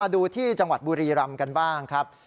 ดูที่จังหวัดบุรีรำกันบ้างครับ